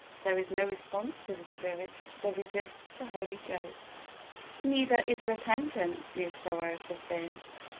There is no response to the Spirit; they resist the Holy Ghost. Neither is repentance mere sorrow for sin.